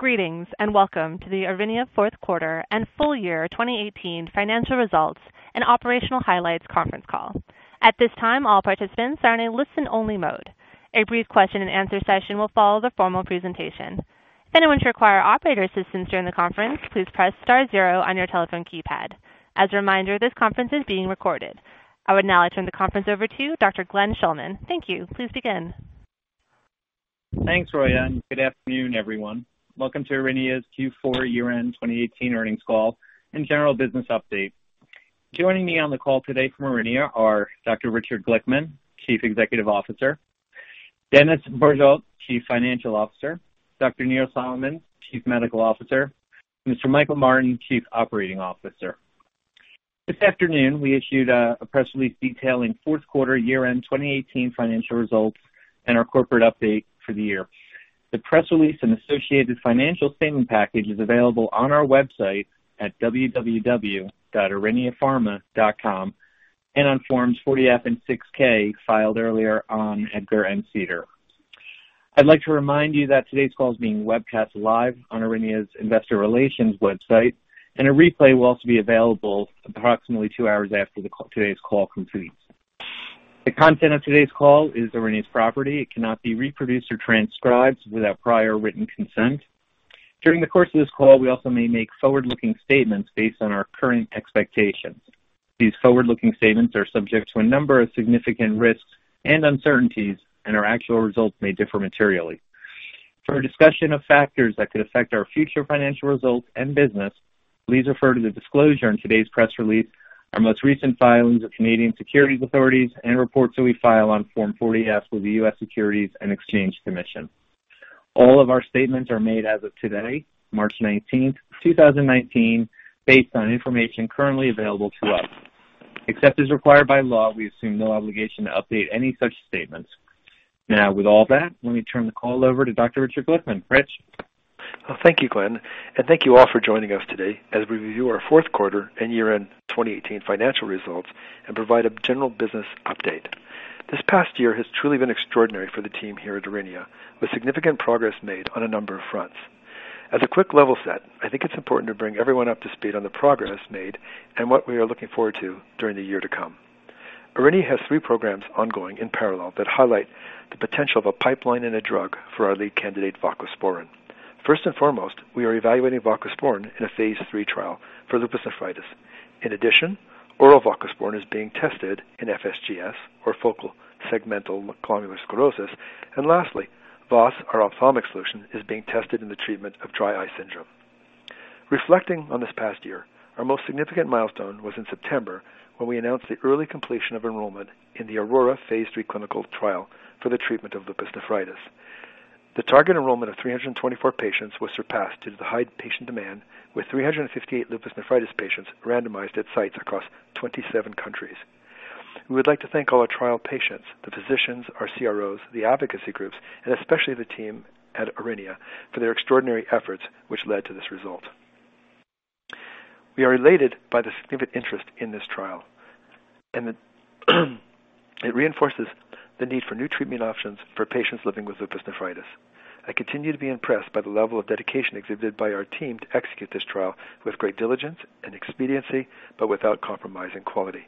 Greetings, welcome to the Aurinia fourth quarter and full year 2018 financial results and operational highlights conference call. At this time, all participants are in a listen-only mode. A brief question and answer session will follow the formal presentation. If anyone should require operator assistance during the conference, please press star zero on your telephone keypad. As a reminder, this conference is being recorded. I would now like to turn the conference over to Dr. Glenn Schulman. Thank you. Please begin. Thanks, Roya, good afternoon, everyone. Welcome to Aurinia's Q4 year-end 2018 earnings call and general business update. Joining me on the call today from Aurinia are Dr. Richard Glickman, Chief Executive Officer, Dennis Bourgeault, Chief Financial Officer, Dr. Neil Solomons, Chief Medical Officer, Mr. Michael Martin, Chief Operating Officer. This afternoon, we issued a press release detailing fourth quarter year-end 2018 financial results and our corporate update for the year. The press release and associated financial statement package is available on our website at www.auriniapharma.com and on Forms 40F and 6K filed earlier on EDGAR and SEDAR. I'd like to remind you that today's call is being webcast live on Aurinia's investor relations website, and a replay will also be available approximately two hours after today's call completes. The content of today's call is Aurinia's property. It cannot be reproduced or transcribed without prior written consent. During the course of this call, we also may make forward-looking statements based on our current expectations. These forward-looking statements are subject to a number of significant risks and uncertainties. Our actual results may differ materially. For a discussion of factors that could affect our future financial results and business, please refer to the disclosure in today's press release, our most recent filings with Canadian securities authorities, and reports that we file on Form 40F with the US Securities and Exchange Commission. All of our statements are made as of today, March 19th, 2019, based on information currently available to us. Except as required by law, we assume no obligation to update any such statements. With all that, let me turn the call over to Dr. Richard Glickman. Rich? Thank you, Glenn, thank you all for joining us today as we review our fourth quarter and year-end 2018 financial results and provide a general business update. This past year has truly been extraordinary for the team here at Aurinia, with significant progress made on a number of fronts. As a quick level set, I think it's important to bring everyone up to speed on the progress made and what we are looking forward to during the year to come. Aurinia has three programs ongoing in parallel that highlight the potential of a pipeline and a drug for our lead candidate, voclosporin. First and foremost, we are evaluating voclosporin in a phase III trial for lupus nephritis. In addition, oral voclosporin is being tested in FSGS or focal segmental glomerulosclerosis. Lastly, VOS, our ophthalmic solution, is being tested in the treatment of dry eye syndrome. Reflecting on this past year, our most significant milestone was in September, when we announced the early completion of enrollment in the AURORA phase III clinical trial for the treatment of lupus nephritis. The target enrollment of 324 patients was surpassed due to the high patient demand, with 358 lupus nephritis patients randomized at sites across 27 countries. We would like to thank all our trial patients, the physicians, our CROs, the advocacy groups, and especially the team at Aurinia for their extraordinary efforts which led to this result. We are elated by the significant interest in this trial. It reinforces the need for new treatment options for patients living with lupus nephritis. I continue to be impressed by the level of dedication exhibited by our team to execute this trial with great diligence and expediency, without compromising quality.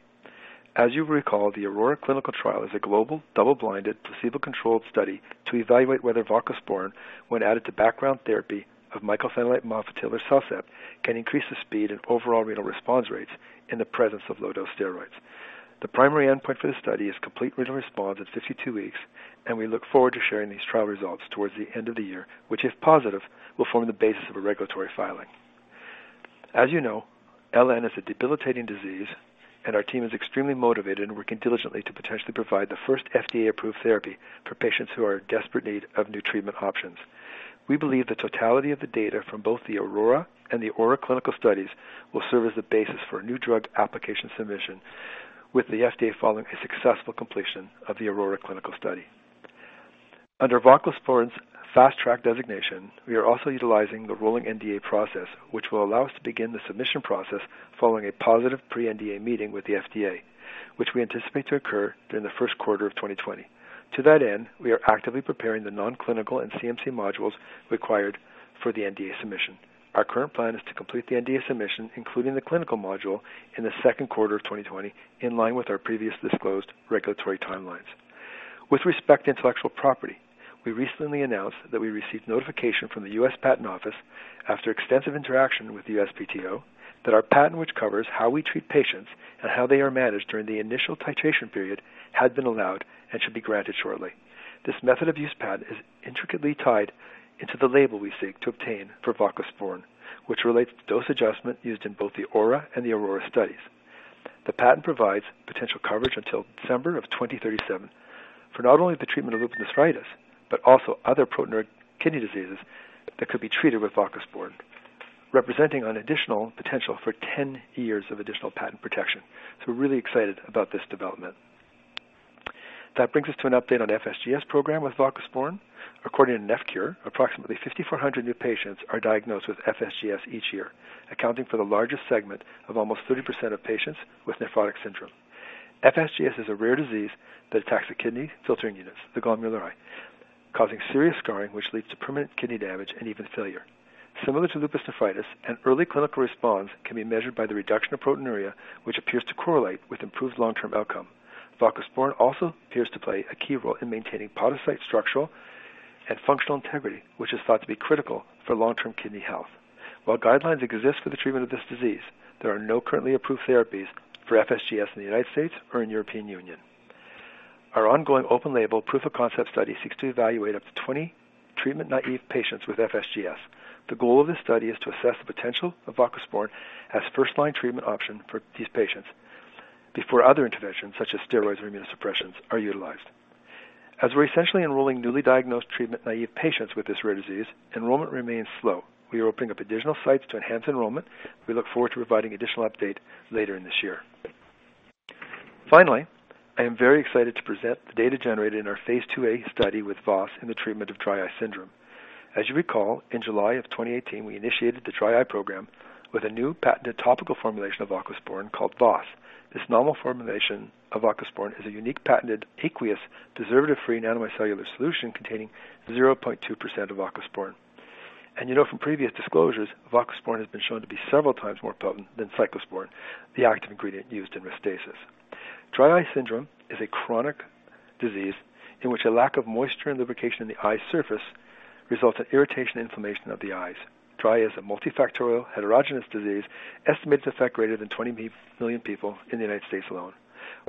As you recall, the AURORA clinical trial is a global, double-blinded, placebo-controlled study to evaluate whether voclosporin, when added to background therapy of mycophenolate mofetil or CellCept, can increase the speed and overall renal response rates in the presence of low-dose steroids. The primary endpoint for this study is complete renal response at 52 weeks. We look forward to sharing these trial results towards the end of the year, which, if positive, will form the basis of a regulatory filing. As you know, LN is a debilitating disease. Our team is extremely motivated and working diligently to potentially provide the first FDA-approved therapy for patients who are in desperate need of new treatment options. We believe the totality of the data from both the AURORA and the AURA clinical studies will serve as the basis for a new drug application submission with the FDA following a successful completion of the AURORA clinical study. Under voclosporin's Fast Track designation, we are also utilizing the rolling NDA process, which will allow us to begin the submission process following a positive pre-NDA meeting with the FDA, which we anticipate to occur during the first quarter of 2020. To that end, we are actively preparing the nonclinical and CMC modules required for the NDA submission. Our current plan is to complete the NDA submission, including the clinical module, in the second quarter of 2020, in line with our previously disclosed regulatory timelines. With respect to intellectual property, we recently announced that we received notification from the US Patent Office after extensive interaction with the USPTO that our patent, which covers how we treat patients and how they are managed during the initial titration period, had been allowed and should be granted shortly. This method of use patent is intricately tied into the label we seek to obtain for voclosporin, which relates to dose adjustment used in both the AURA and the AURORA studies. The patent provides potential coverage until December of 2037 for not only the treatment of lupus nephritis, but also other proteinuria kidney diseases that could be treated with voclosporin, representing an additional potential for 10 years of additional patent protection. We're really excited about this development. That brings us to an update on FSGS program with voclosporin. According to NephCure, approximately 5,400 new patients are diagnosed with FSGS each year, accounting for the largest segment of almost 30% of patients with nephrotic syndrome. FSGS is a rare disease that attacks the kidney filtering units, the glomeruli, causing serious scarring, which leads to permanent kidney damage and even failure. Similar to lupus nephritis, an early clinical response can be measured by the reduction of proteinuria, which appears to correlate with improved long-term outcome. Voclosporin also appears to play a key role in maintaining podocyte structural and functional integrity, which is thought to be critical for long-term kidney health. While guidelines exist for the treatment of this disease, there are no currently approved therapies for FSGS in the U.S. or in European Union. Our ongoing open label proof of concept study seeks to evaluate up to 20 treatment-naive patients with FSGS. The goal of this study is to assess the potential of voclosporin as first-line treatment option for these patients before other interventions, such as steroids or immunosuppressions, are utilized. As we're essentially enrolling newly diagnosed treatment-naive patients with this rare disease, enrollment remains slow. We are opening up additional sites to enhance enrollment. We look forward to providing additional update later in this year. Finally, I am very excited to present the data generated in our Phase IIa study with VOS in the treatment of dry eye syndrome. As you recall, in July of 2018, we initiated the dry eye program with a new patented topical formulation of voclosporin called VOS. This novel formulation of voclosporin is a unique patented aqueous preservative-free nanomicellar solution containing 0.2% of voclosporin. You know from previous disclosures, voclosporin has been shown to be several times more potent than cyclosporine, the active ingredient used in RESTASIS. Dry eye syndrome is a chronic disease in which a lack of moisture and lubrication in the eye surface results in irritation, inflammation of the eyes. Dry eye is a multifactorial heterogenous disease estimated to affect greater than 20 million people in the U.S. alone.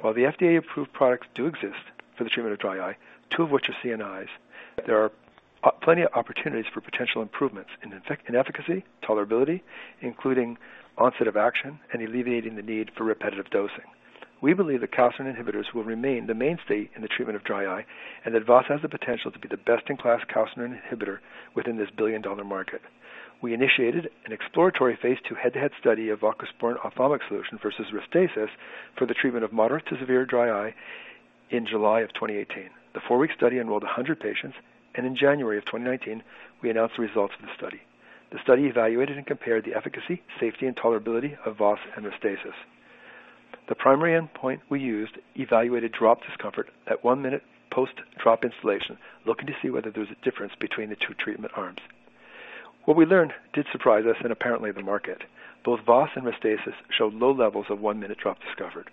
While the FDA-approved products do exist for the treatment of dry eye, two of which are CNIs, there are plenty of opportunities for potential improvements in efficacy, tolerability, including onset of action, and alleviating the need for repetitive dosing. We believe that calcineurin inhibitors will remain the mainstay in the treatment of dry eye, and that VOS has the potential to be the best-in-class calcineurin inhibitor within this billion-dollar market. We initiated an exploratory Phase II head-to-head study of voclosporin ophthalmic solution versus RESTASIS for the treatment of moderate to severe dry eye in July of 2018. The four-week study enrolled 100 patients, and in January of 2019, we announced the results of the study. The study evaluated and compared the efficacy, safety, and tolerability of VOS and RESTASIS. The primary endpoint we used evaluated drop discomfort at one-minute post-drop installation, looking to see whether there was a difference between the two treatment arms. What we learned did surprise us, and apparently the market. Both VOS and RESTASIS showed low levels of one-minute drop discomfort.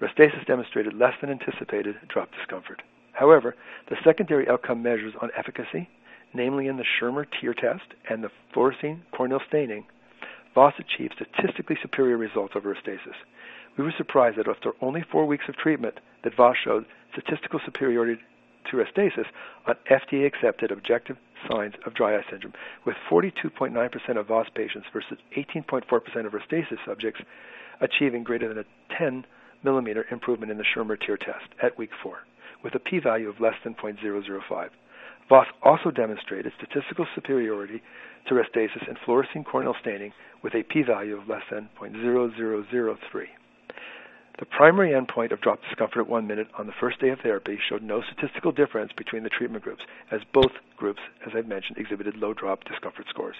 RESTASIS demonstrated less than anticipated drop discomfort. However, the secondary outcome measures on efficacy, namely in the Schirmer tear test and the fluorescein corneal staining, VOS achieved statistically superior results over RESTASIS. We were surprised that after only four weeks of treatment, VOS showed statistical superiority to RESTASIS on FDA-accepted objective signs of dry eye syndrome, with 42.9% of VOS patients versus 18.4% of RESTASIS subjects achieving greater than a 10-millimeter improvement in the Schirmer tear test at week four, with a P value of less than 0.005. VOS also demonstrated statistical superiority to RESTASIS in fluorescein corneal staining with a P value of less than 0.0003. The primary endpoint of drop discomfort at one minute on the first day of therapy showed no statistical difference between the treatment groups, as both groups, as I've mentioned, exhibited low drop discomfort scores.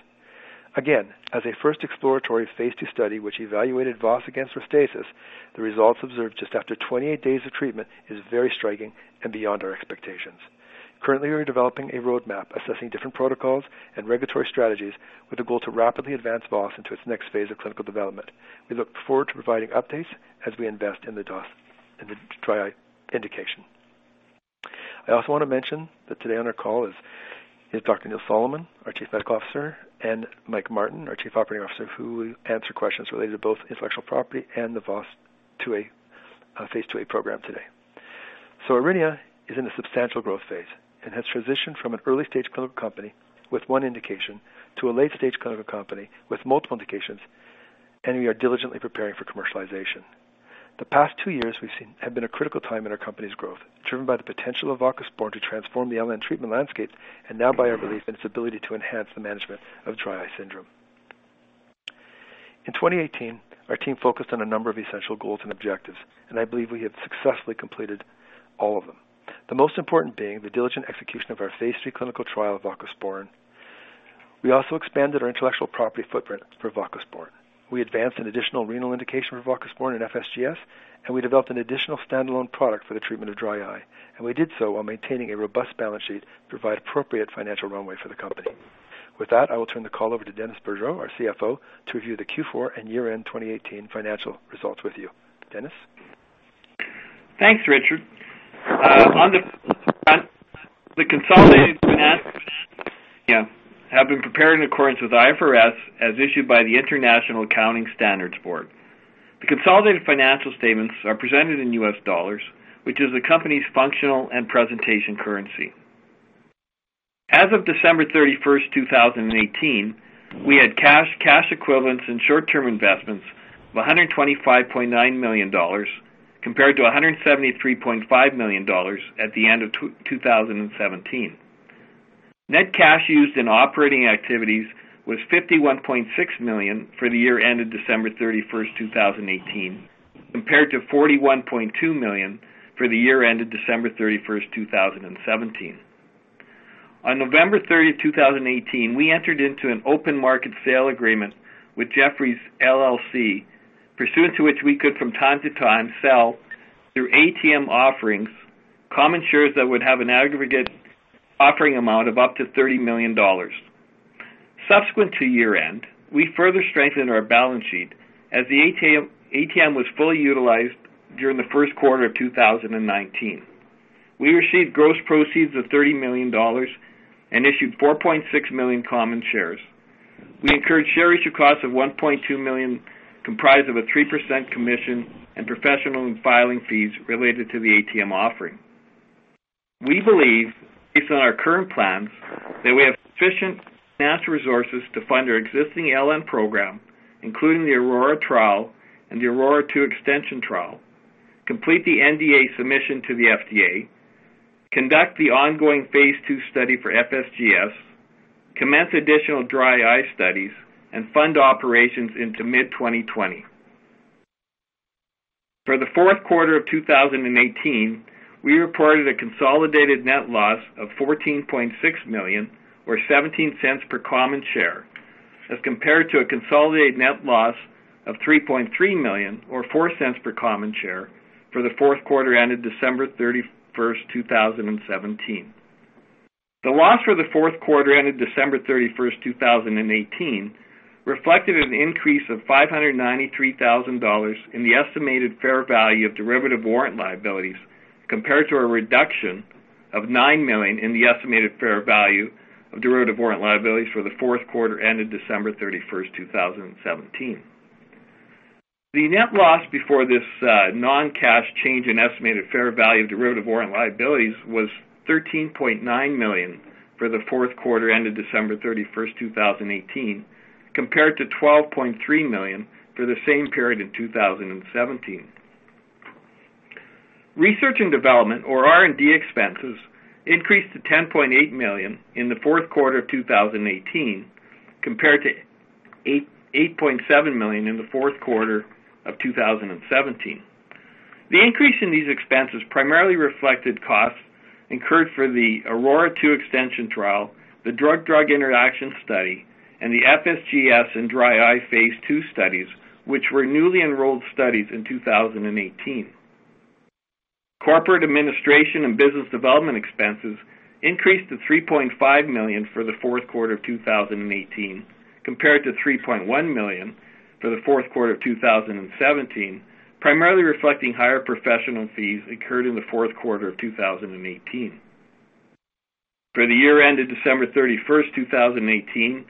Again, as a first exploratory phase II study which evaluated VOS against RESTASIS, the results observed just after 28 days of treatment is very striking and beyond our expectations. Currently, we're developing a roadmap assessing different protocols and regulatory strategies with the goal to rapidly advance VOS into its next phase of clinical development. We look forward to providing updates as we invest in the VOS in the dry eye indication. I also want to mention that today on our call is Dr. Neil Solomons, our Chief Medical Officer, and Mike Martin, our Chief Operating Officer, who will answer questions related to both intellectual property and the VOS phase II-A program today. Aurinia is in a substantial growth phase and has transitioned from an early-stage clinical company with one indication to a late-stage clinical company with multiple indications, and we are diligently preparing for commercialization. The past two years have been a critical time in our company's growth, driven by the potential of voclosporin to transform the LN treatment landscape, and now by our belief in its ability to enhance the management of dry eye syndrome. In 2018, our team focused on a number of essential goals and objectives, and I believe we have successfully completed all of them. The most important being the diligent execution of our phase III clinical trial of voclosporin. We also expanded our intellectual property footprint for voclosporin. We advanced an additional renal indication for voclosporin in FSGS, and we developed an additional standalone product for the treatment of dry eye. We did so while maintaining a robust balance sheet to provide appropriate financial runway for the company. With that, I will turn the call over to Dennis Bourgeault, our CFO, to review the Q4 and year-end 2018 financial results with you. Dennis? Thanks, Richard. On the front, the consolidated financial have been prepared in accordance with IFRS, as issued by the International Accounting Standards Board. The consolidated financial statements are presented in US dollars, which is the company's functional and presentation currency. As of December 31st, 2018, we had cash equivalents, and short-term investments of $125.9 million, compared to $173.5 million at the end of 2017. Net cash used in operating activities was $51.6 million for the year ended December 31st, 2018, compared to $41.2 million for the year ended December 31st, 2017. On November 30th, 2018, we entered into an open market sale agreement with Jefferies LLC, pursuant to which we could from time to time sell through ATM offerings, common shares that would have an aggregate offering amount of up to $30 million. Subsequent to year-end, we further strengthened our balance sheet as the ATM was fully utilized during the first quarter of 2019. We received gross proceeds of $30 million and issued 4.6 million common shares. We incurred share issue costs of $1.2 million, comprised of a 3% commission and professional and filing fees related to the ATM offering. We believe, based on our current plans, that we have sufficient financial resources to fund our existing LN program, including the AURORA trial and the AURORA 2 extension trial, complete the NDA submission to the FDA, conduct the ongoing phase II study for FSGS, commence additional dry eye studies, and fund operations into mid-2020. For the fourth quarter of 2018, we reported a consolidated net loss of $14.6 million, or $0.17 per common share, as compared to a consolidated net loss of $3.3 million or $0.04 per common share for the fourth quarter ended December 31st, 2017. The loss for the fourth quarter ended December 31st, 2018, reflected an increase of $593,000 in the estimated fair value of derivative warrant liabilities, compared to a reduction of $9 million in the estimated fair value of derivative warrant liabilities for the fourth quarter ended December 31st, 2017. The net loss before this non-cash change in estimated fair value of derivative warrant liabilities was $13.9 million for the fourth quarter ended December 31st, 2018, compared to $12.3 million for the same period in 2017. Research and development, or R&D expenses, increased to $10.8 million in the fourth quarter of 2018 compared to $8.7 million in the fourth quarter of 2017. The increase in these expenses primarily reflected costs incurred for the AURORA 2 extension trial, the drug-drug interaction study, and the FSGS and dry eye phase II studies, which were newly enrolled studies in 2018. Corporate administration and business development expenses increased to $3.5 million for the fourth quarter of 2018 compared to $3.1 million for the fourth quarter of 2017, primarily reflecting higher professional fees incurred in the fourth quarter of 2018. For the year ended December 31st, 2018,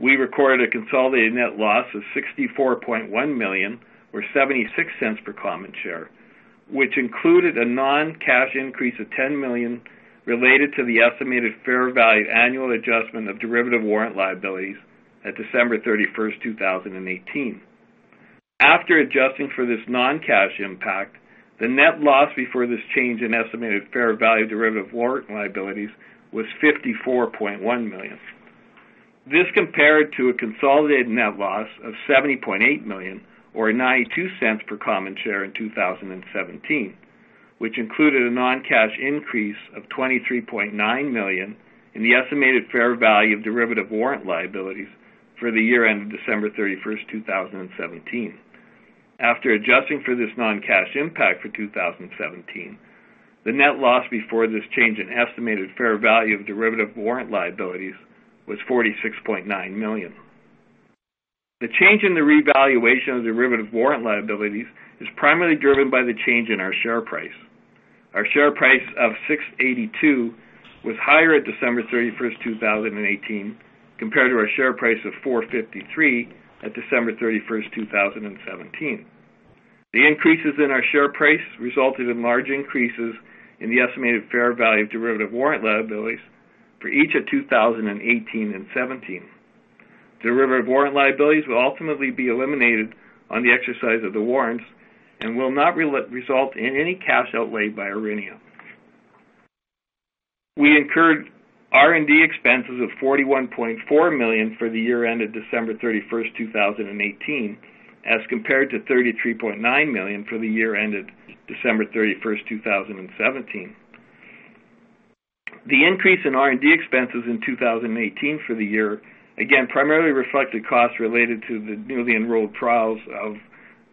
we recorded a consolidated net loss of $64.1 million, or $0.76 per common share, which included a non-cash increase of $10 million related to the estimated fair value annual adjustment of derivative warrant liabilities at December 31st, 2018. After adjusting for this non-cash impact, the net loss before this change in estimated fair value of derivative warrant liabilities was $54.1 million. This compared to a consolidated net loss of $70.8 million or $0.92 per common share in 2017, which included a non-cash increase of $23.9 million in the estimated fair value of derivative warrant liabilities for the year ended December 31st, 2017. After adjusting for this non-cash impact for 2017, the net loss before this change in estimated fair value of derivative warrant liabilities was $46.9 million. The change in the revaluation of derivative warrant liabilities is primarily driven by the change in our share price. Our share price of $6.82 was higher at December 31st, 2018, compared to our share price of $4.53 at December 31st, 2017. The increases in our share price resulted in large increases in the estimated fair value of derivative warrant liabilities for each of 2018 and 2017. Derivative warrant liabilities will ultimately be eliminated on the exercise of the warrants and will not result in any cash outlay by Aurinia. We incurred R&D expenses of $41.4 million for the year ended December 31st, 2018, as compared to $33.9 million for the year ended December 31st, 2017. The increase in R&D expenses in 2018 for the year again primarily reflected costs related to the newly enrolled trials of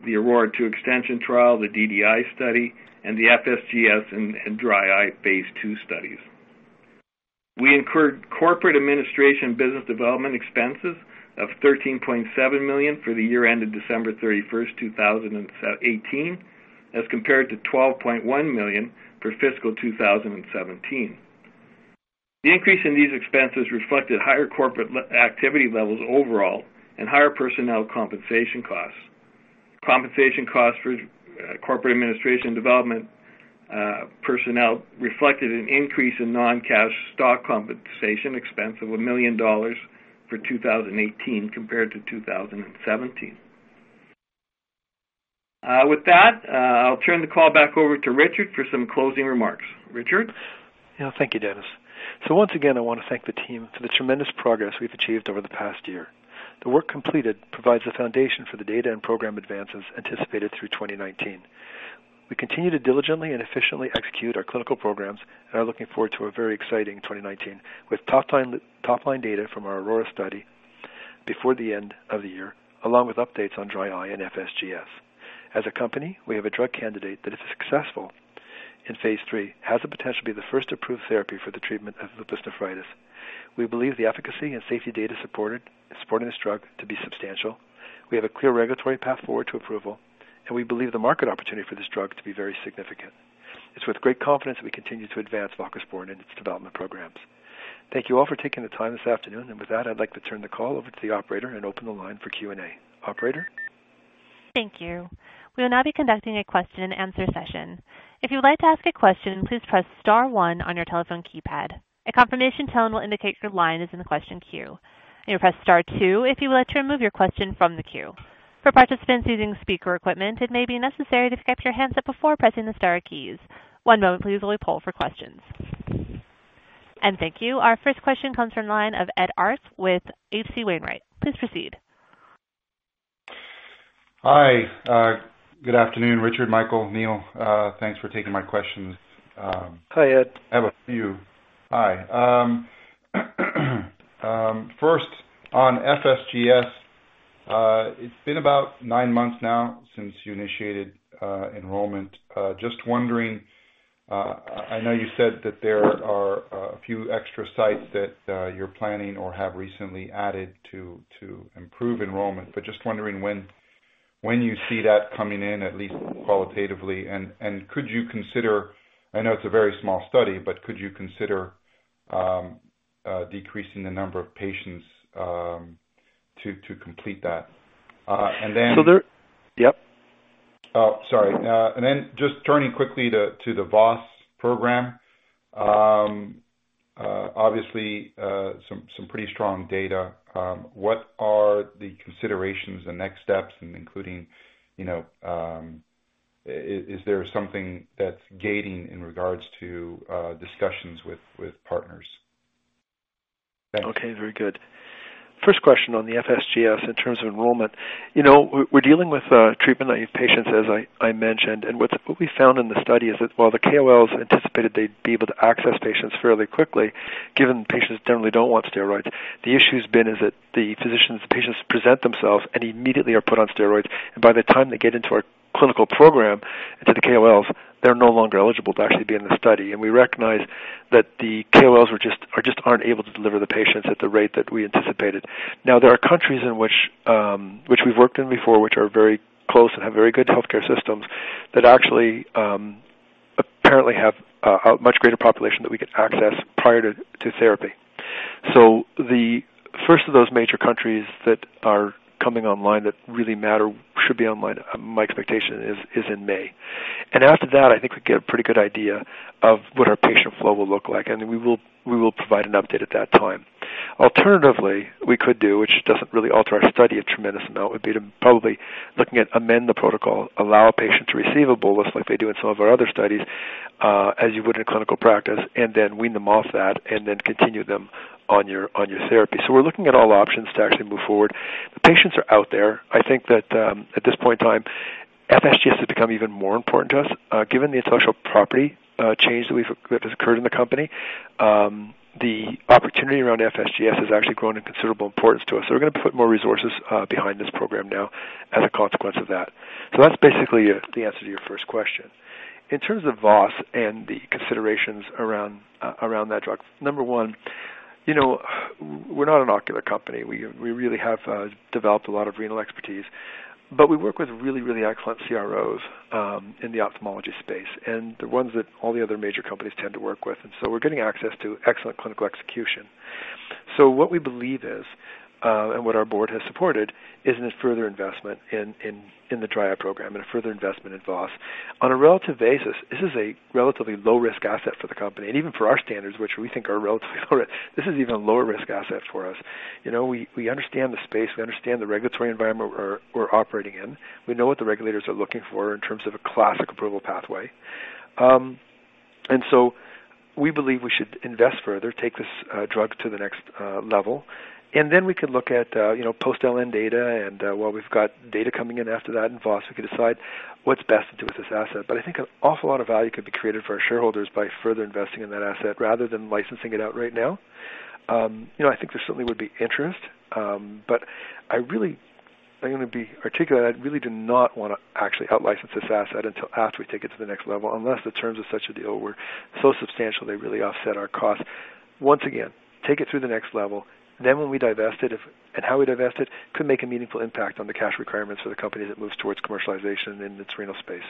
the AURORA 2 extension trial, the DDI study, and the FSGS and dry eye phase II studies. We incurred corporate administration business development expenses of $13.7 million for the year ended December 31st, 2018, as compared to $12.1 million for fiscal 2017. The increase in these expenses reflected higher corporate activity levels overall and higher personnel compensation costs. Compensation costs for corporate administration development personnel reflected an increase in non-cash stock compensation expense of $1 million for 2018 compared to 2017. With that, I'll turn the call back over to Richard for some closing remarks. Richard? Yeah. Thank you, Dennis. So once again, I want to thank the team for the tremendous progress we've achieved over the past year. The work completed provides the foundation for the data and program advances anticipated through 2019. We continue to diligently and efficiently execute our clinical programs and are looking forward to a very exciting 2019 with top-line data from our AURORA study before the end of the year, along with updates on dry eye and FSGS. As a company, we have a drug candidate that is successful in phase III, has the potential to be the first approved therapy for the treatment of lupus nephritis. We believe the efficacy and safety data supporting this drug to be substantial. We have a clear regulatory path forward to approval, and we believe the market opportunity for this drug to be very significant. It's with great confidence we continue to advance voclosporin in its development programs. Thank you all for taking the time this afternoon. With that, I'd like to turn the call over to the operator and open the line for Q&A. Operator? Thank you. We will now be conducting a question and answer session. If you would like to ask a question, please press star one on your telephone keypad. A confirmation tone will indicate your line is in the question queue. You may press star two if you would like to remove your question from the queue. For participants using speaker equipment, it may be necessary to pick up your handset before pressing the star keys. One moment please while we poll for questions. Thank you. Our first question comes from the line of Ed Arce with H.C. Wainwright. Please proceed. Hi. Good afternoon, Richard, Michael, Neil. Thanks for taking my questions. Hi, Ed. I have a few. Hi. First, on FSGS, it's been about nine months now since you initiated enrollment. Just wondering, I know you said that there are a few extra sites that you're planning or have recently added to improve enrollment, but just wondering when you see that coming in, at least qualitatively, and could you consider, I know it's a very small study, but could you consider decreasing the number of patients to complete that? Yep. Oh, sorry. just turning quickly to the VOS program. Obviously, some pretty strong data. What are the considerations and next steps, and including, is there something that's gating in regards to discussions with partners? Thanks. Okay, very good. First question on the FSGS in terms of enrollment. We're dealing with treatment-naive patients, as I mentioned. What we found in the study is that while the KOLs anticipated they'd be able to access patients fairly quickly, given patients generally don't want steroids, the issue's been is that the physicians, patients present themselves and immediately are put on steroids. By the time they get into our clinical program and to the KOLs, they're no longer eligible to actually be in the study. We recognize that the KOLs just aren't able to deliver the patients at the rate that we anticipated. There are countries in which we've worked in before, which are very close and have very good healthcare systems that actually apparently have a much greater population that we could access prior to therapy. The first of those major countries that are coming online that really matter should be online, my expectation is in May. After that, I think we get a pretty good idea of what our patient flow will look like, and we will provide an update at that time. Alternatively, we could do, which does not really alter our study a tremendous amount, would be to probably amend the protocol, allow patients to receive a bolus like they do in some of our other studies, as you would in a clinical practice, and then wean them off that and then continue them on your therapy. We are looking at all options to actually move forward. The patients are out there. I think that at this point in time, FSGS has become even more important to us. Given the intellectual property change that has occurred in the company, the opportunity around FSGS has actually grown in considerable importance to us. We are going to put more resources behind this program now as a consequence of that. That is basically the answer to your first question. In terms of VOS and the considerations around that drug. Number one, we are not an ocular company. We really have developed a lot of renal expertise, but we work with really, really excellent CROs in the ophthalmology space and the ones that all the other major companies tend to work with. We are getting access to excellent clinical execution. What we believe is, and what our board has supported, is in a further investment in the dry eye program and a further investment in VOS. On a relative basis, this is a relatively low-risk asset for the company. Even for our standards, which we think are relatively low risk, this is an even lower risk asset for us. We understand the space. We understand the regulatory environment we are operating in. We know what the regulators are looking for in terms of a classic approval pathway. We believe we should invest further, take this drug to the next level, and then we could look at post LN data. While we have got data coming in after that in VOS, we could decide what is best to do with this asset. I think an awful lot of value could be created for our shareholders by further investing in that asset rather than licensing it out right now. I think there certainly would be interest. I am going to be articulate. I really do not want to actually out-license this asset until after we take it to the next level, unless the terms of such a deal were so substantial they really offset our cost. Once again, take it to the next level. When we divest it, and how we divest it, could make a meaningful impact on the cash requirements for the company that moves towards commercialization in its renal space.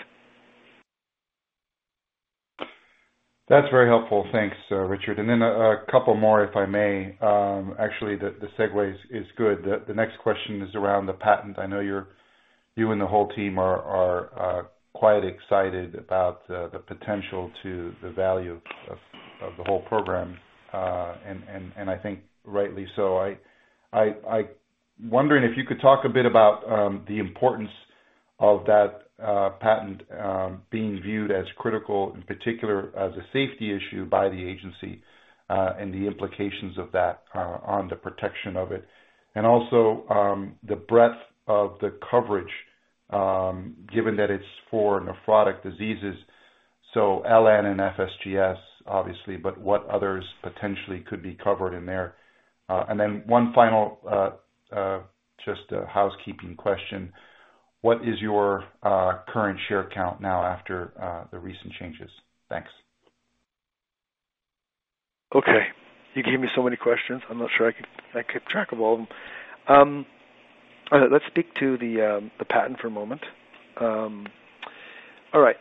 That's very helpful. Thanks, Richard. A couple more, if I may. The segue is good. The next question is around the patent. I know you and the whole team are quite excited about the potential to the value of the whole program, and I think rightly so. Wondering if you could talk a bit about the importance of that patent being viewed as critical, in particular as a safety issue by the agency, and the implications of that on the protection of it. Also the breadth of the coverage, given that it's for nephrotic diseases. So LN and FSGS obviously, but what others potentially could be covered in there? One final, just a housekeeping question. What is your current share count now after the recent changes? Thanks. Okay. You gave me so many questions. I'm not sure I kept track of all of them. Let's speak to the patent for a moment. All right.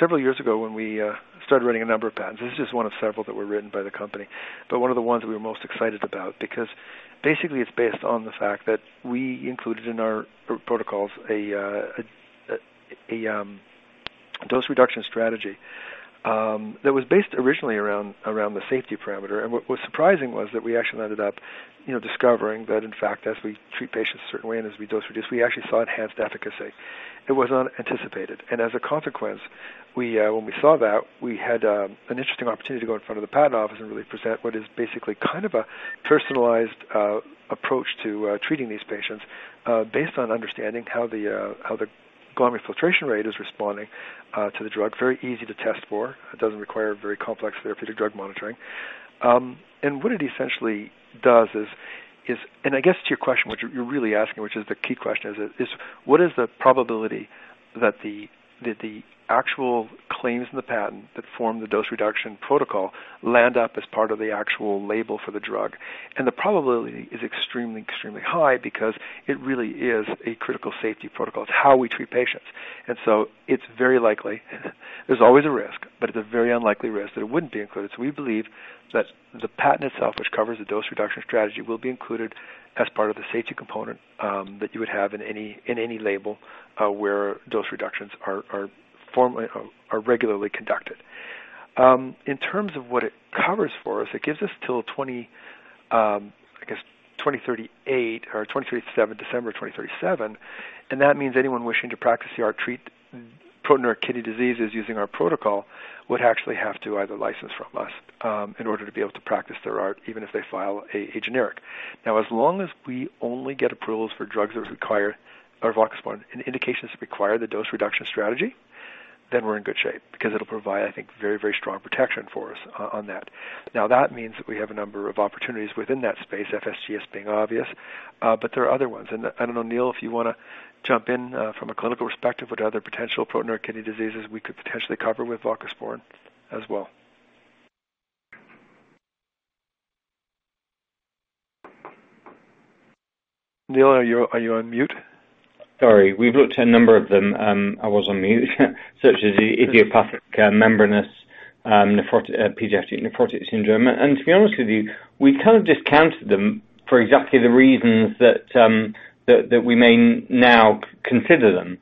Several years ago when we started writing a number of patents, this is just one of several that were written by the company, but one of the ones we were most excited about, because basically it's based on the fact that we included in our protocols a dose reduction strategy, that was based originally around the safety parameter. What was surprising was that we actually ended up discovering that in fact, as we treat patients a certain way and as we dose reduce, we actually saw enhanced efficacy. It was unanticipated. As a consequence, when we saw that, we had an interesting opportunity to go in front of the patent office and really present what is basically kind of a personalized approach to treating these patients, based on understanding how the glomerular filtration rate is responding to the drug. Very easy to test for. It doesn't require very complex therapeutic drug monitoring. What it essentially does is, I guess to your question, what you're really asking, which is the key question, is what is the probability that the actual claims in the patent that form the dose reduction protocol land up as part of the actual label for the drug? The probability is extremely high because it really is a critical safety protocol. It's how we treat patients. So it's very likely. There's always a risk, but it's a very unlikely risk that it wouldn't be included. We believe that the patent itself, which covers the dose reduction strategy, will be included as part of the safety component, that you would have in any label, where dose reductions are regularly conducted. In terms of what it covers for us, it gives us until, I guess, December 2037, That means anyone wishing to practice the art treat protein or kidney diseases using our protocol would actually have to either license from us in order to be able to practice their art, even if they file a generic. As long as we only get approvals for drugs or voclosporin in indications that require the dose reduction strategy, then we're in good shape because it'll provide, I think, very strong protection for us on that. That means that we have a number of opportunities within that space, FSGS being obvious, but there are other ones. I don't know, Neil, if you want to jump in from a clinical perspective, what other potential proteinuria kidney diseases we could potentially cover with voclosporin as well. Neil, are you on mute? Sorry, we've looked at a number of them, such as the idiopathic membranous nephropathy, pediatric nephrotic syndrome. I was on mute. To be honest with you, we kind of discounted them for exactly the reasons that we may now consider them,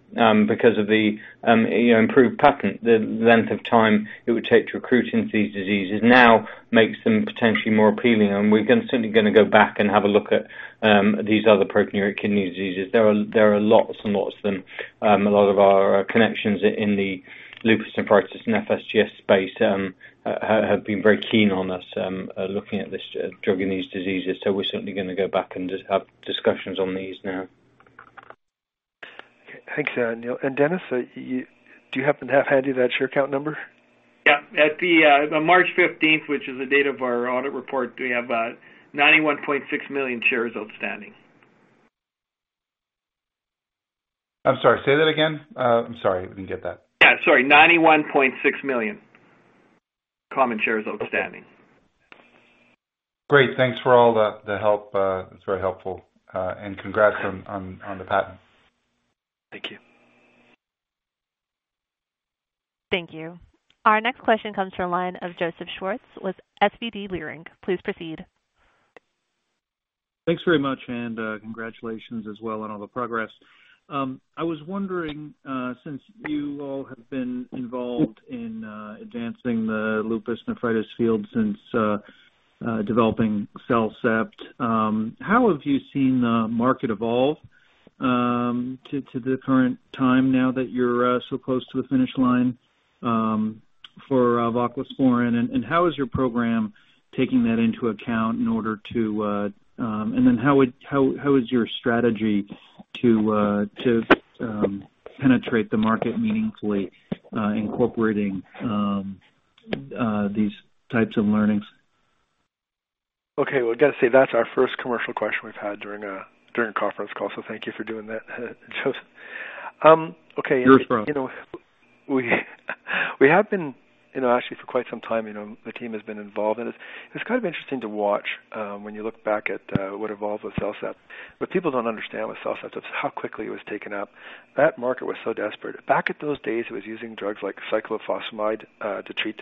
because of the improved patent, the length of time it would take to recruit into these diseases now makes them potentially more appealing, and we're certainly going to go back and have a look at these other proteinuria kidney diseases. There are lots and lots of them. A lot of our connections in the lupus nephritis and FSGS space have been very keen on us looking at this drug in these diseases. We're certainly going to go back and have discussions on these now. Okay. Thanks, Neil. Dennis, do you happen to have handy that share count number? Yeah. At the March 15th, which is the date of our audit report, we have 91.6 million shares outstanding. I'm sorry. Say that again. I'm sorry, we didn't get that. Yeah, sorry, 91.6 million common shares outstanding. Great. Thanks for all the help. It's very helpful. Congrats on the patent. Thank you. Thank you. Our next question comes from the line of Joseph Schwartz with SVB Leerink. Please proceed. Thanks very much. Congratulations as well on all the progress. I was wondering, since you all have been involved in advancing the lupus nephritis field since developing CellCept, how have you seen the market evolve to the current time now that you're so close to the finish line for voclosporin, and how is your program taking that into account? How is your strategy to penetrate the market meaningfully incorporating these types of learnings? Okay. Well, I got to say, that's our first commercial question we've had during a conference call, so thank you for doing that, Joseph. Okay. You're welcome. We have been actually for quite some time, the team has been involved in this. It's kind of interesting to watch when you look back at what evolved with CellCept. What people don't understand with CellCept is how quickly it was taken up. That market was so desperate. Back at those days, it was using drugs like cyclophosphamide to treat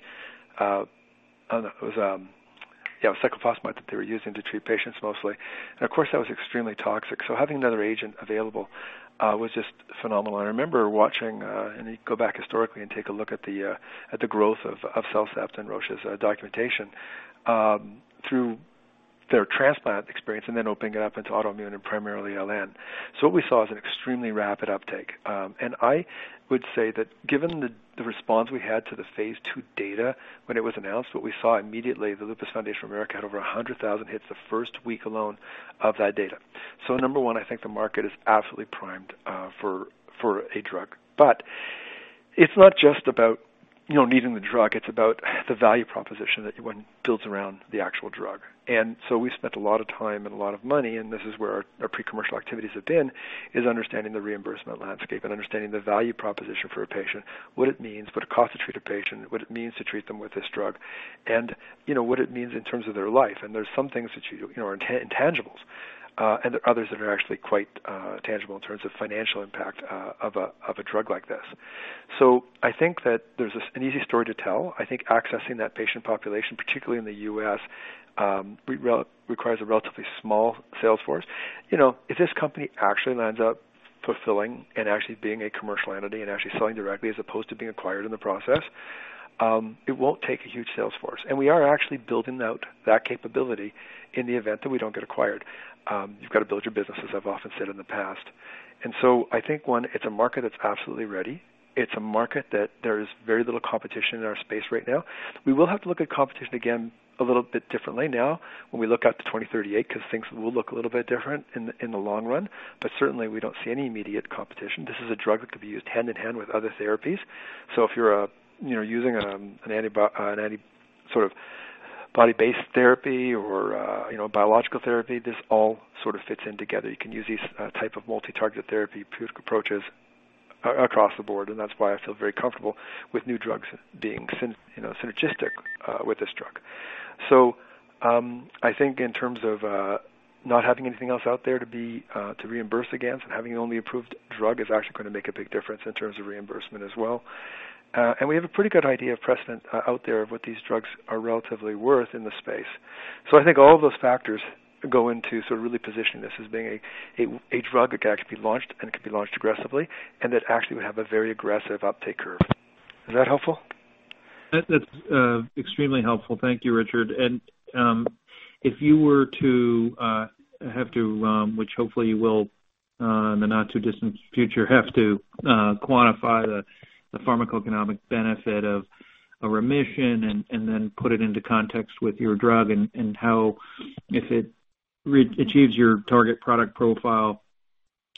patients mostly. Of course, that was extremely toxic. Having another agent available was just phenomenal. I remember watching, and you go back historically and take a look at the growth of CellCept and Roche's documentation through their transplant experience and then opening it up into autoimmune and primarily LN. What we saw is an extremely rapid uptake. I would say that given the response we had to the phase II data when it was announced, what we saw immediately, The Lupus Foundation of America had over 100,000 hits the first week alone of that data. Number one, I think the market is absolutely primed for a drug. It's not just about needing the drug, it's about the value proposition that one builds around the actual drug. We spent a lot of time and a lot of money, and this is where our pre-commercial activities have been, is understanding the reimbursement landscape and understanding the value proposition for a patient, what it means, what it costs to treat a patient, what it means to treat them with this drug, and what it means in terms of their life. There's some things that are intangibles, and others that are actually quite tangible in terms of financial impact of a drug like this. I think that there's an easy story to tell. I think accessing that patient population, particularly in the U.S., requires a relatively small sales force. If this company actually winds up fulfilling and actually being a commercial entity and actually selling directly as opposed to being acquired in the process, it won't take a huge sales force. We are actually building out that capability in the event that we don't get acquired. You've got to build your business, as I've often said in the past. I think, one, it's a market that's absolutely ready. It's a market that there is very little competition in our space right now. We will have to look at competition again a little bit differently now when we look out to 2038, because things will look a little bit different in the long run. Certainly, we don't see any immediate competition. This is a drug that could be used hand-in-hand with other therapies. If you're using an antibody-based therapy or biological therapy, this all sort of fits in together. You can use these type of multi-target therapy approaches across the board, and that's why I feel very comfortable with new drugs being synergistic with this drug. I think in terms of not having anything else out there to reimburse against and having only approved drug is actually going to make a big difference in terms of reimbursement as well. We have a pretty good idea of precedent out there of what these drugs are relatively worth in the space. I think all of those factors go into really positioning this as being a drug that could actually be launched, and it could be launched aggressively, and that actually would have a very aggressive uptake curve. Is that helpful? That's extremely helpful. Thank you, Richard. If you were to have to, which hopefully you will in the not-too-distant future, have to quantify the pharmacoeconomic benefit of a remission and then put it into context with your drug and how, if it achieves your target product profile,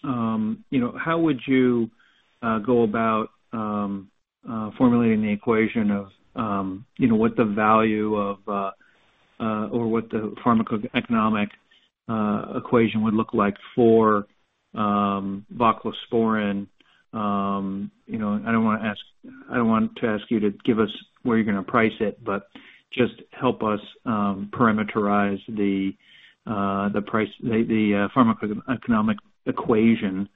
how would you go about formulating the equation of what the value of, or what the pharmacoeconomic equation would look like for voclosporin? I don't want to ask you to give us where you're going to price it, but just help us parameterize the pharmacoeconomic equation.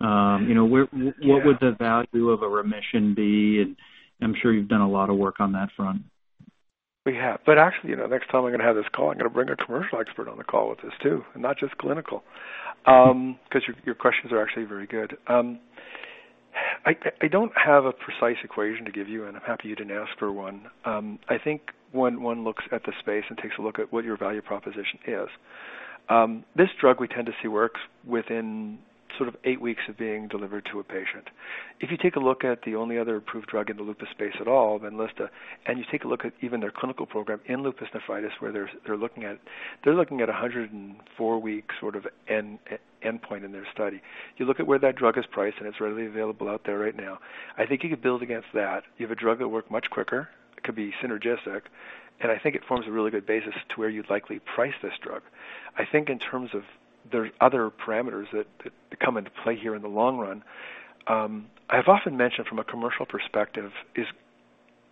What would the value of a remission be? I'm sure you've done a lot of work on that front. We have. Actually, next time we're going to have this call, I'm going to bring a commercial expert on the call with us, too, and not just clinical. Your questions are actually very good. I don't have a precise equation to give you, and I'm happy you didn't ask for one. I think one looks at the space and takes a look at what your value proposition is. This drug we tend to see works within eight weeks of being delivered to a patient. If you take a look at the only other approved drug in the lupus space at all, BENLYSTA, and you take a look at even their clinical program in lupus nephritis, where they're looking at 104-week sort of endpoint in their study. You look at where that drug is priced, and it's readily available out there right now. I think you could build against that. You have a drug that worked much quicker, it could be synergistic, and I think it forms a really good basis to where you'd likely price this drug. I think in terms of the other parameters that come into play here in the long run, I've often mentioned from a commercial perspective is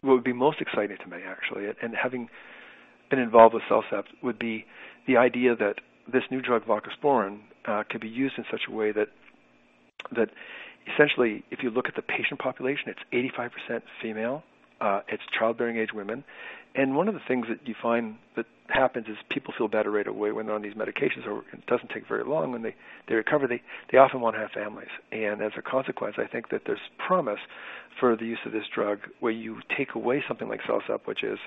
what would be most exciting to me, actually, and having been involved with CellCept, would be the idea that this new drug, voclosporin, could be used in such a way that essentially, if you look at the patient population, it's 85% female, it's childbearing-age women. One of the things that you find that happens is people feel better right away when they're on these medications, or it doesn't take very long, when they recover, they often want to have families. As a consequence, I think that there's promise for the use of this drug where you take away something like CellCept, which is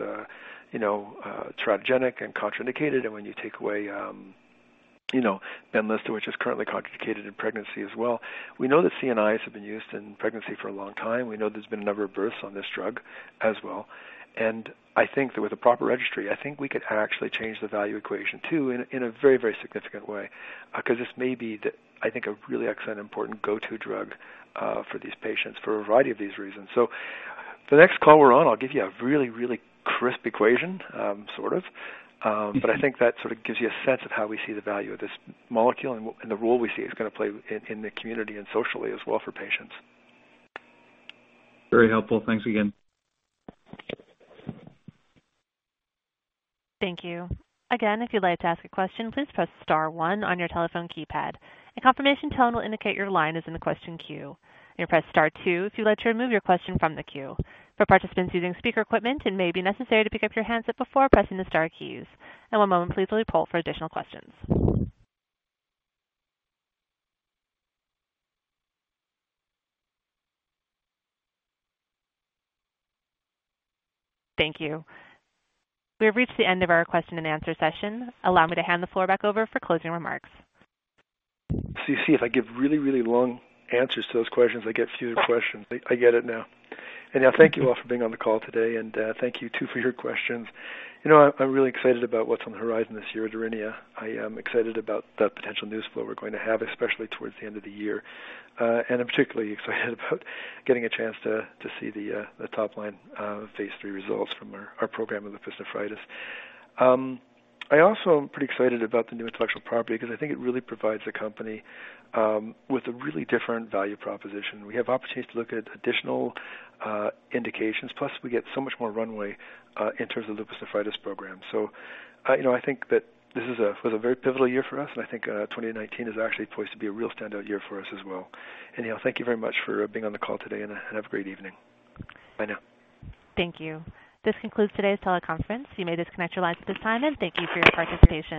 teratogenic and contraindicated, when you take away BENLYSTA, which is currently contraindicated in pregnancy as well. We know that CNIs have been used in pregnancy for a long time. We know there's been a number of births on this drug as well. I think that with the proper registry, I think we could actually change the value equation, too, in a very, very significant way. This may be, I think, a really excellent, important go-to drug for these patients for a variety of these reasons. The next call we're on, I'll give you a really, really crisp equation, sort of. I think that sort of gives you a sense of how we see the value of this molecule and the role we see it's going to play in the community and socially as well for patients. Very helpful. Thanks again. Thank you. Again, if you'd like to ask a question, please press star one on your telephone keypad. A confirmation tone will indicate your line is in the question queue. You may press star two if you'd like to remove your question from the queue. For participants using speaker equipment, it may be necessary to pick up your handset before pressing the star keys. One moment please while we poll for additional questions. Thank you. We have reached the end of our question and answer session. Allow me to hand the floor back over for closing remarks. You see, if I give really, really long answers to those questions, I get fewer questions. I get it now. Thank you all for being on the call today, and thank you, too, for your questions. I'm really excited about what's on the horizon this year at Aurinia. I am excited about the potential news flow we're going to have, especially towards the end of the year. I'm particularly excited about getting a chance to see the top line of phase III results from our program of lupus nephritis. I also am pretty excited about the new intellectual property because I think it really provides the company with a really different value proposition. We have opportunities to look at additional indications, plus we get so much more runway in terms of lupus nephritis program. I think that this was a very pivotal year for us, and I think 2019 is actually poised to be a real standout year for us as well. Anyhow, thank you very much for being on the call today, and have a great evening. Bye now. Thank you. This concludes today's teleconference. You may disconnect your lines at this time, and thank you for your participation.